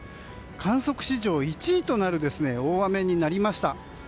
観測史上１位となる大雨になりました。